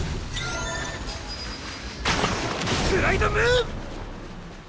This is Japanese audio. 「スライドムーブ」！